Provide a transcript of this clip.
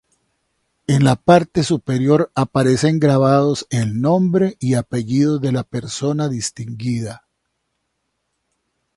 En la parte superior aparecen grabados el nombre y apellidos de la persona distinguida.